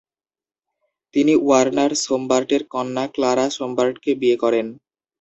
তিনি ওয়ার্নার সোমবার্টের কন্যা ক্লারা সোমবার্টকে বিয়ে করেন।